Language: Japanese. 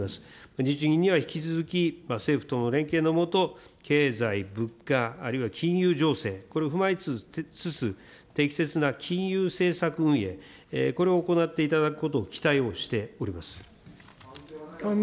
日銀には引き続き政府との連携の下、経済、物価、あるいは金融情勢、これを踏まえつつ、適切な金融政策運営、これを行っていただくことを期待をしております。